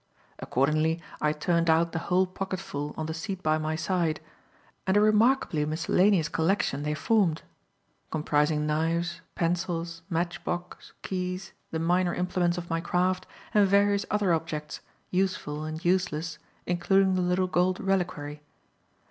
Accordingly I turned out the whole pocketful on the seat by my side, and a remarkably miscellaneous collection they formed; comprising knives, pencils, match box, keys, the minor implements of my craft, and various other objects, useful and useless, including the little gold reliquary.